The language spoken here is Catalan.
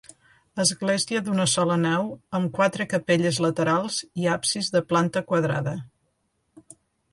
Església d'una sola nau amb quatre capelles laterals i absis de planta quadrada.